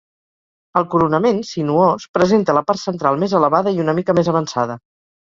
El coronament, sinuós, presenta la part central més elevada i una mica més avançada.